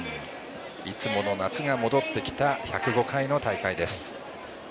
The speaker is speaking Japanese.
いつもの夏が戻ってきた１０５回の大会です。